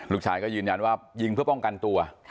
ลูกชายก็ยืนยันว่ายิงเพื่อป้องกันตัว